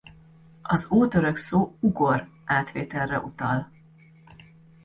Az ótörök szó ugor átvételre utal.